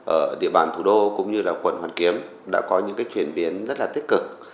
ở địa bàn thủ đô cũng như là quận hoàn kiếm đã có những chuyển biến rất là tích cực